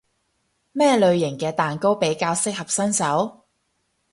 咩類型嘅蛋糕比較適合新手？